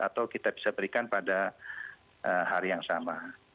atau kita bisa berikan pada hari yang sama